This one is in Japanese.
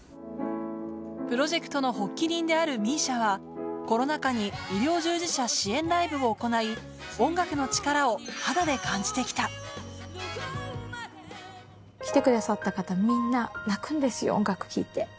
プロジェクトの発起人であるＭＩＳＩＡはコロナ禍に医療従事者支援ライブを行い音楽の力を肌で感じて来た音楽聴いて。